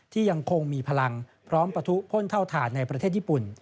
ยังคงมีพลังพร้อมปะทุพ่นเท่าฐานในประเทศญี่ปุ่น